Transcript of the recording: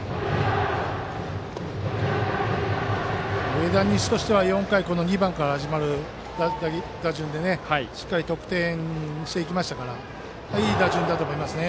上田西としては４回２番から始まるこの打順でしっかり得点していきましたからいい打順だと思いますね。